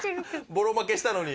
ボロ負けしたのに。